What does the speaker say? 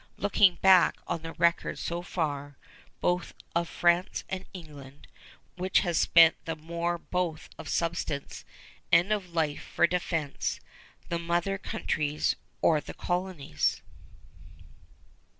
Looking back on the record so far, both of France and England, which has spent the more both of substance and of life for defense; the mother countries or the colonies?